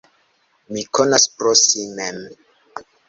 Mi konas pro si mem.